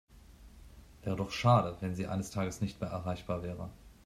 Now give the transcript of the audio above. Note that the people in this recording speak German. Wäre doch schade, wenn Sie eines Tages nicht mehr erreichbar wäre.